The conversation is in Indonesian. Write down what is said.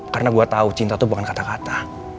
karena gue tau cinta tuh bukan kata kata